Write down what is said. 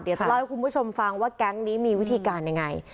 จะเล่าให้คุณผู้ชมฟังว่าแก๊งนี้มีวิธีการยังไง